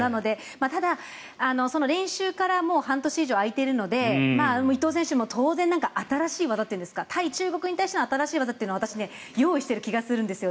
ただ、練習からもう半年以上開いているので伊藤選手も当然新しい技といいますか対中国に対しての新しい技も私、用意している気がするんですよ。